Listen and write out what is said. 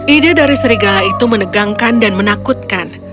ide dari serigala itu menegangkan dan menakutkan